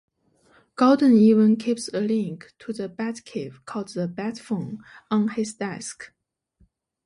Gordon even keeps a link to the Batcave called "the Batphone" on his desk.